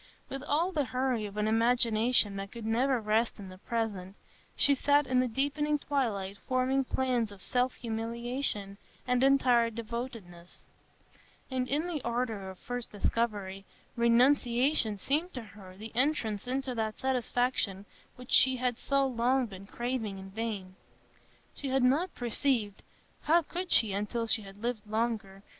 With all the hurry of an imagination that could never rest in the present, she sat in the deepening twilight forming plans of self humiliation and entire devotedness; and in the ardor of first discovery, renunciation seemed to her the entrance into that satisfaction which she had so long been craving in vain. She had not perceived—how could she until she had lived longer?